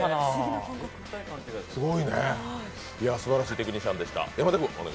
すばらしいテクニシャンでした。